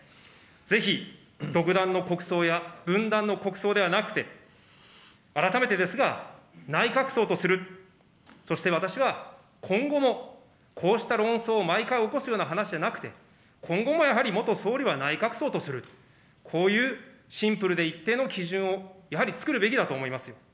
ぜひ、独断の国葬や、分断の国葬ではなくて、改めてですが、内閣葬とする、そして私は今後もこうした論争を毎回起こすような話じゃなくて、今後もやはり元総理は内閣葬とする、こういうシンプルで一定の基準を、やはり作るべきだと思いますよ。